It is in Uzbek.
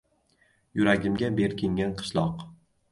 Yuragimga berkingan qishloq